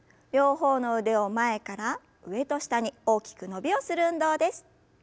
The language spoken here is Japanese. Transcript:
両方の腕を前から上と下に大きく伸びをする運動です。